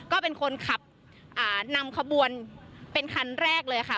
ก็เป็นคนขับนำขบวนเป็นคันแรกเลยค่ะ